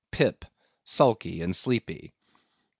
PIP. (_Sulky and sleepy.